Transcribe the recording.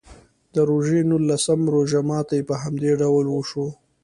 د روژې نولسم روژه ماتي په همدې ډول وشو.